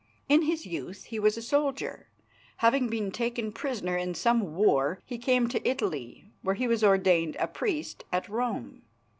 In his youth he was a soldier. Having been taken prisoner in some war, he came to Italy, where he was ordained a priest at Rome.